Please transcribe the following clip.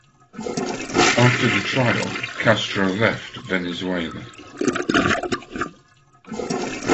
After the trial, Castro left Venezuela.